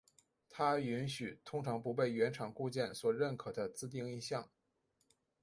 它允许通常不被原厂固件所认可的自定义项。